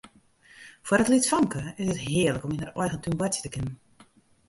Foar it lytsfamke is it hearlik om yn har eigen tún boartsje te kinnen.